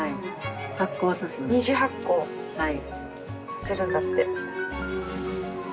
２次発酵させるんだって。